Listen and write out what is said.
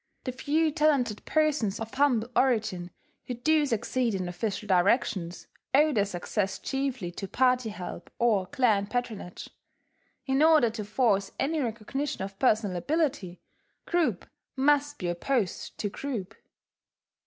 The few talented persons of humble origin who do succeed in official directions owe their success chiefly to party help or clan patronage: in order to force any recognition of personal ability, group must be opposed to group.